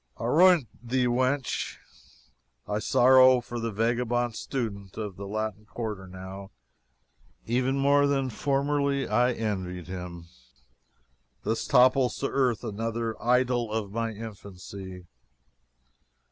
Aroint thee, wench! I sorrow for the vagabond student of the Latin Quarter now, even more than formerly I envied him. Thus topples to earth another idol of my infancy.